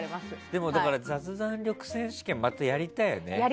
でも雑談選手権またやりたいよね。